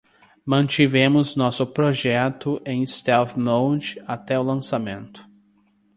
Mantivemos nosso projeto em stealth mode até o lançamento.